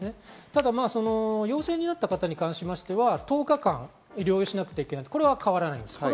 ただ陽性になった方に関しては１０日間、療養しなくてはいけない。これは変わらないわけです。